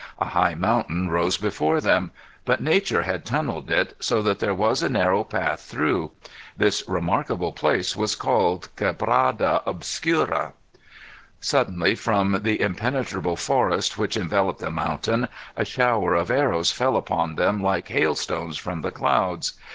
A high mountain rose before them. But nature had tunnelled it, so that there was a narrow path through. This remarkable place was called Quebrada Obscura. Suddenly, from the impenetrable forest which enveloped the mountain, a shower of arrows fell upon them, like hailstones from the clouds.